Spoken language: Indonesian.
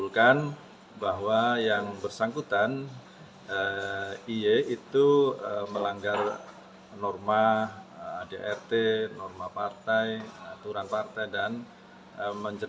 langsung dipecat tau gimana